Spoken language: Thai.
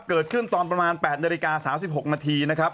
เกิดขึ้นตอนประมาณแปดนาฬิกาสามสิบหกนาทีนะครับ